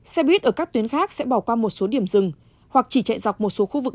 xe buýt ở các tuyến khác sẽ bỏ qua một số điểm rừng hoặc chỉ chạy dọc một số khu vực